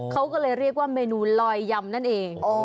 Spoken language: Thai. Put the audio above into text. เขาก็เลยเรียกว่าเมนูลอยยำนั่นเอง